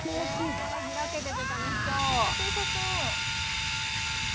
開けてて楽しそう。